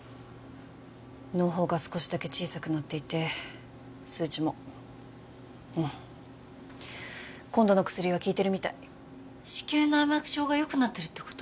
のう胞が少しだけ小さくなっていて数値もうん今度の薬は効いてるみたい子宮内膜症がよくなってるってこと？